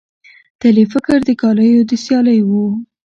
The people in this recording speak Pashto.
تل یې فکر د کالیو د سیالۍ وو